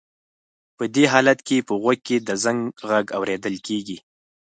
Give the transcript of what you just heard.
په دې حالت کې په غوږ کې د زنګ غږ اورېدل کېږي.